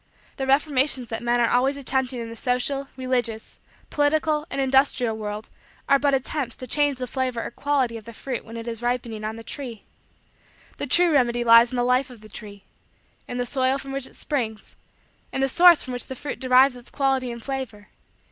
The reformations that men are always attempting in the social, religious, political, and industrial world are but attempts to change the flavor or quality of the fruit when it is ripening on the tree. The true remedy lies in the life of the tree; in the soil from which it springs; in the source from which the fruit derives its quality and flavor.